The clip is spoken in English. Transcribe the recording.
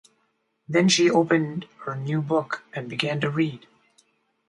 Then she opened her new book and began to read.